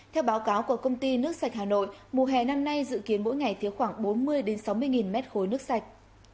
theo báo cáo của công ty nước sạch hà nội mùa hè năm nay dự kiến mỗi ngày thiếu khoảng bốn mươi sáu mươi mét khối nước sạch